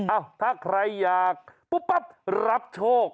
ถ้าใครอยากปุ๊บปั๊บรับโชค